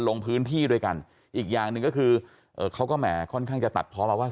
ลงพื้นที่ด้วยกันอีกอย่างหนึ่งก็คือเขาก็แหมค่อนข้างจะตัดเพาะมาว่า